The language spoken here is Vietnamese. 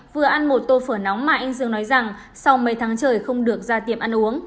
vừa ăn một tô phở nóng mà anh dương nói rằng sau mấy tháng trời không được ra tiệm ăn uống